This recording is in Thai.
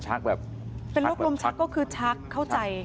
แบบเป็นโรคลมชักก็คือชักเข้าใจ